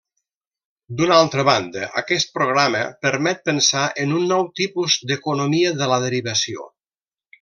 D'una altra banda, aquest programa permet pensar en un nou tipus d'economia de la derivació.